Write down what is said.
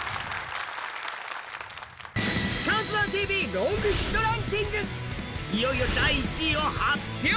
「ＣＤＴＶ」ロングヒットランキング、いよいよ第１位を発表。